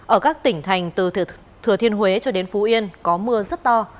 ở các tỉnh thành từ thừa thiên huế cho đến phú yên có mưa rất to